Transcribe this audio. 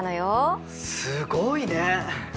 すごいね！